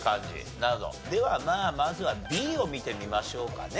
ではまあまずはＢを見てみましょうかね。